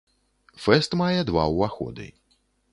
Фэст мае два ўваходы.